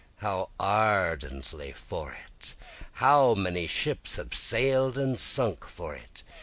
How ardently for it! How many ships have sail'd and sunk for it!